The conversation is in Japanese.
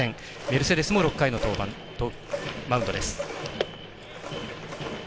メルセデスも６回のマウンドです。